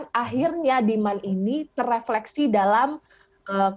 dan akhirnya demand ini terefleksi dalam kebutuhan